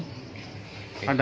ada pertanggung jawabannya